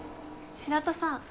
白土さん